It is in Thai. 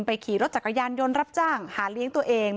ขี่รถจักรยานยนต์รับจ้างหาเลี้ยงตัวเอง